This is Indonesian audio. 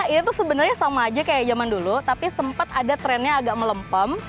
itu sebenarnya sama aja kayak zaman dulu tapi sempat ada trennya agak melempem